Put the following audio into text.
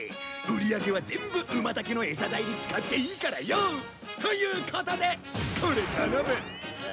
売り上げは全部ウマタケの餌代に使っていいからよ。ということでこれ頼む。